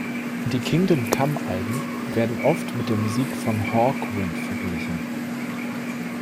Die Kingdom-Come-Alben wurden oft mit der Musik von Hawkwind verglichen.